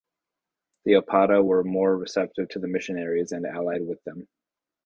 The Opata were more receptive to the missionaries and allied with them.